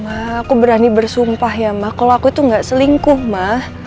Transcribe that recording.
ma aku berani bersumpah ya ma kalau aku itu gak selingkuh ma